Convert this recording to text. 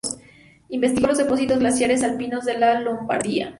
Investigó los depósitos glaciares alpinos de la Lombardía.